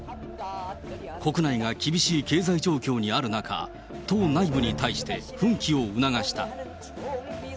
国内が厳しい経済状況にある中、党内部に対して奮起を促した。